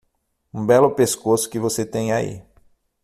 Um belo pescoço que você tem aí.